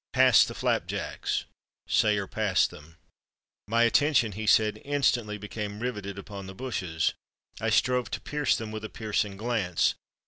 Pass the flapjacks." Sayre passed them. "My attention," he said, "instantly became riveted upon the bushes. I strove to pierce them with a piercing glance.